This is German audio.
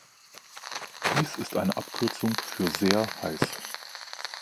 Dies ist eine Abkürzung für „sehr heiß“.